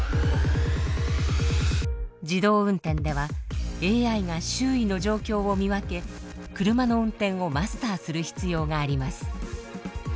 自動運転ではＡＩが周囲の状況を見分け車の運転をマスターする必要があります。